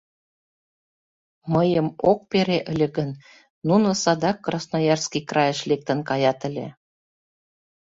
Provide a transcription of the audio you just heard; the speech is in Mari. Мыйым ок пере ыле гын, нуно садак Красноярский крайыш лектын каят ыле».